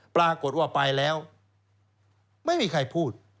ปรากฏว่าไปแล้วไม่มีใครพูด